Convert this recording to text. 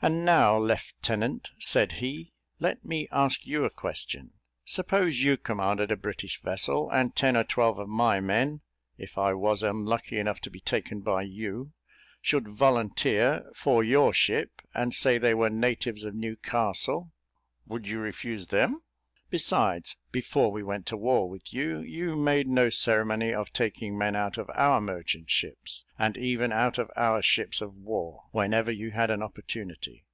"And, now, Leftenant," said he, "let me ask you a question. Suppose you commanded a British vessel, and ten or twelve of my men, if I was unlucky enough to be taken by you, should volunteer for your ship, and say they were natives of Newcastle, would you refuse them? Besides, before we went to war with you, you made no ceremony of taking men out of our merchant ships, and even out of our ships of war, whenever you had an opportunity.